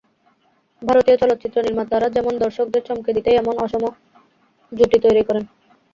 ভারতীয় চলচ্চিত্র নির্মাতারা যেন দর্শকদের চমকে দিতেই এমন অসম জুটি তৈরি করেন।